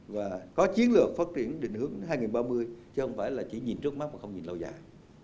và có chiến lược phát triển định hướng hai nghìn ba mươi chứ không phải là chỉ nhìn trước mắt mà không nhìn lâu dài